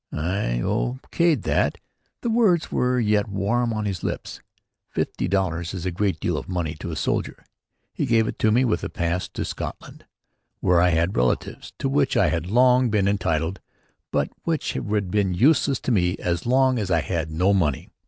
I O. K'd that while the words were yet warm on his lips. Fifty dollars is a great deal of money to a soldier. He gave it to me with a pass for Scotland where I had relatives to which I had long been entitled but which had been useless to me as long as I had no money.